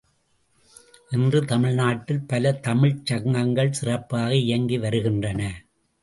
இன்று தமிழ்நாட்டில் பல தமிழ்ச் சங்கங்கள் சிறப்பாக இயங்கி வருகின்றன.